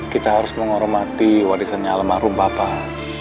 kita harus menghormati warisannya almarhum bapak